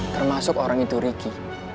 termasuk orang itu ricky